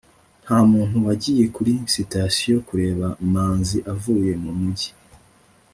nta muntu wagiye kuri sitasiyo kureba manzi avuye mu mujyi